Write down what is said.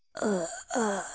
ああ。